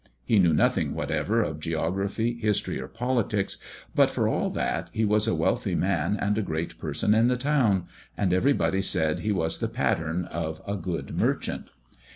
He knew nothing whatever of geography, history, or politics; but for all that, he was a wealthy man and a great person in the town, and everybody said he was the pattern of a good merchant.